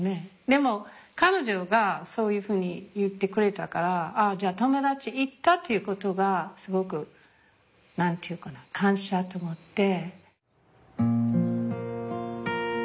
でも彼女がそういうふうに言ってくれたから友達いたということがすごく何て言うかな感謝と思って。